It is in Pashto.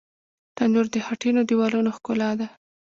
تنور د خټینو دیوالونو ښکلا ده